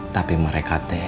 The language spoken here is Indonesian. tapi mereka teh